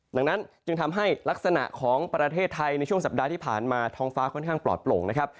ดังนั้นจึงทำให้ลักษณะของประเทศไทยในช่วงสัปดาห์ที่ผ่านมาท้องฟ้าค่อนข้างปลอดโปร่งนะครับ